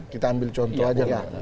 kita ambil contoh aja dah